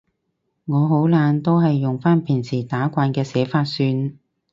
我好懶，都係用返平時打慣嘅寫法算